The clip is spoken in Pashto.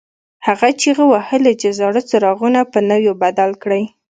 هغه چیغې وهلې چې زاړه څراغونه په نویو بدل کړئ.